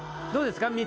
あどうですか？